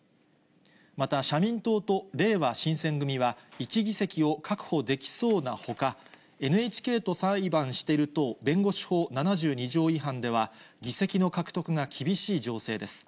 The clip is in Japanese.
また社民党とれいわ新選組は、１議席を確保できそうなほか、ＮＨＫと裁判してる党弁護士法７２条違反では議席の獲得が厳しい情勢です。